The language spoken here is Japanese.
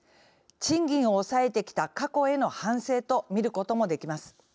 賃金を抑えてきた過去への反省と見ることもできます。